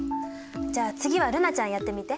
じゃあ次は瑠菜ちゃんやってみて。